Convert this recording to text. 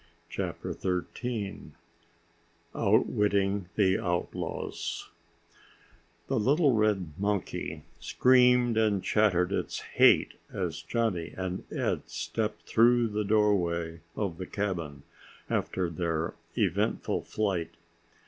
CHAPTER THIRTEEN Outwitting the Outlaws The little red monkey screamed and chattered its hate as Johnny and Ed stepped through the doorway of the cabin after their eventful flight.